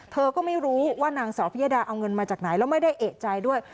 เธอก็ไม่รู้ว่านางสาวพิยดาเอาเงินมาจากไหนแล้วไม่ได้เอกใจด้วย